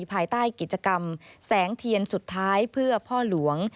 ภายใต้กิจกรรมแสงเทียนสุดท้ายเพื่อพ่อหลวง